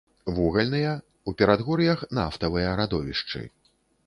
Вугальныя, у перадгор'ях нафтавыя радовішчы.